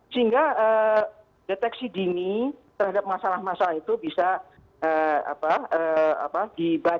sehingga deteksi dini terhadap masalah masalah itu bisa dibatasi